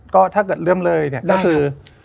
ก็ถ้าเกิดเริ่มเลยก็คือ